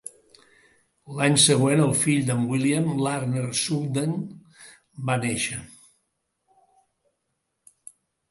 L"any següent, el fill de"n William, Larner Sugden, va néixer.